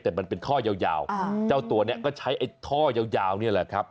แต่มันเป็นท่อยาวเจ้าตัวนี้ก็ใช้ไอ้ท่อยาวนี่แหละครับ